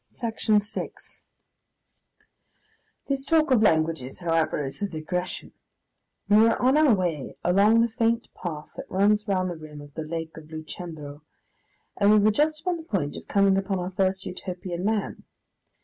Section 6 This talk of languages, however, is a digression. We were on our way along the faint path that runs round the rim of the Lake of Lucendro, and we were just upon the point of coming upon our first Utopian man.